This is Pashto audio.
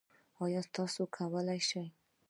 ایا تاسو کولی شئ؟